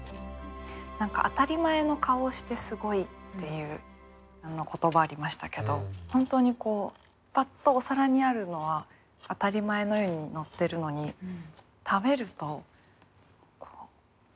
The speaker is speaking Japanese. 何か「あたり前の顔をしてすごい」っていう言葉ありましたけど本当にパッとお皿にあるのは当たり前のようにのってるのに食べるとグッとすごみを感じる。